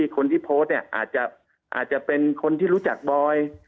คนที่โพสต์เนี่ยอาจจะเป็นคนที่รู้จักบอย